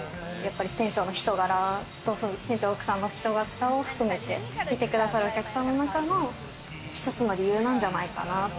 店長の人柄と店長の奥さんの人柄も含めて、来てくださるお客様方の一つの理由なんじゃないかなって。